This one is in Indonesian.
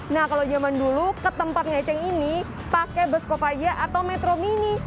nah kalau zaman dulu ke tempat ngeceng ini pakai beskop aja atau metro mini